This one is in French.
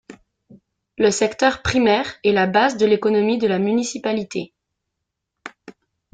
Le secteur primaire est la base de l'économie de la municipalité.